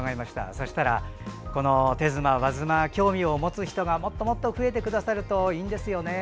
そしたら手妻、和妻に興味を持つ人がもっともっと増えてくださるといいんですよね。